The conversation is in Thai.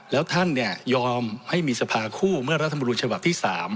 แล้วท่านยอมให้มีทรัพย์คู่เมื่อรัฐมนุมชาวบักที่๓